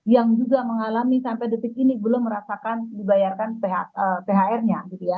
yang juga mengalami sampai detik ini belum merasakan dibayarkan phr nya